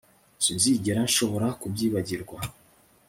Sinzigera nshobora kubyibagirwa